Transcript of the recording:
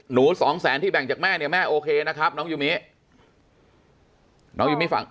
สองแสนที่แบ่งจากแม่เนี่ยแม่โอเคนะครับน้องยูมิน้องยูมิฟัง